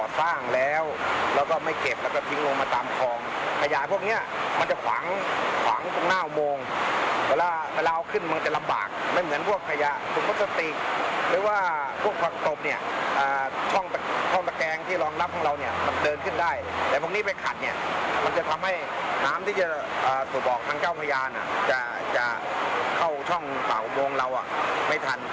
เจ้าพญาจะเข้าช่องเผากวงเราไม่ทัน